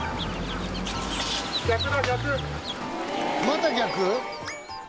また逆！？